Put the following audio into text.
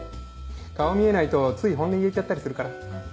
顔見えないとつい本音言えちゃったりするから。